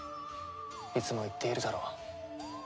いつも言っているだろう。